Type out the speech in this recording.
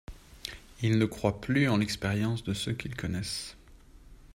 Ils ne croient plus en l’expérience de ceux qu’ils connaissent.